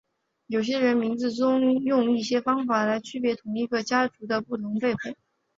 有些人名字中用一些方法来区别同一个家族的不同辈分。